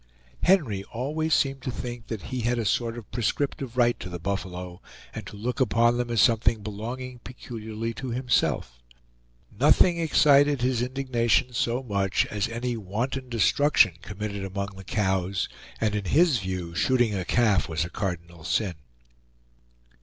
Henry always seemed to think that he had a sort of prescriptive right to the buffalo, and to look upon them as something belonging peculiarly to himself. Nothing excited his indignation so much as any wanton destruction committed among the cows, and in his view shooting a calf was a cardinal sin.